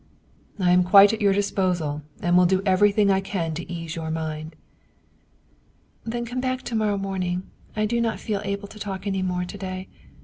" I am quite at your disposal, and will do everything I can to ease your mind." " Then come back to morrow morning. I do not feel able to talk any more to day.